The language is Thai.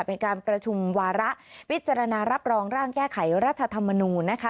เป็นการประชุมวาระพิจารณารับรองร่างแก้ไขรัฐธรรมนูญนะคะ